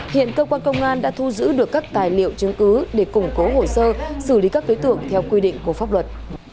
hiện cơ quan công an đã thu giữ được các tài liệu chứng cứ để củng cố hồ sơ xử lý các đối tượng theo quy định của pháp luật